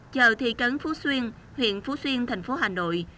chợ thị trấn phú xuyên huyện phú xuyên thành phố hà nội